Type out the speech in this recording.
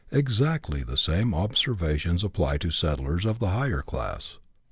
Exactly the same observations apply to settlers of the higher class.